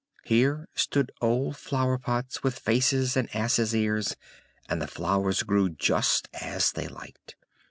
Here stood old flower pots with faces and asses' ears, and the flowers grew just as they liked.